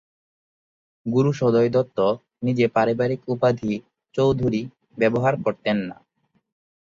গুরুসদয় দত্ত নিজে পারিবারিক উপাধি "চৌধুরী" ব্যবহার করতেন না।